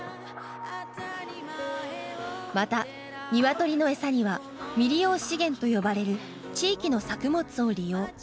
また鶏の餌には未利用資源と呼ばれる地域の作物を利用。